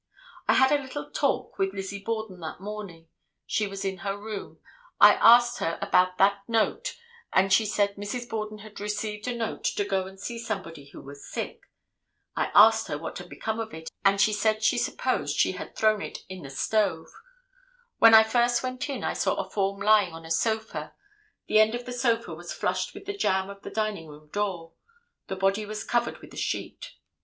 I had a little talk with Lizzie Borden that morning; she was in her room; I asked her about that note and she said Mrs. Borden had received a note to go and see somebody who was sick; I asked her what had become of it, and she said she supposed she had thrown it in the stove; when I first went in I saw a form lying on a sofa; the end of the sofa was flush with the jamb of the dining room door; the body was covered with a sheet.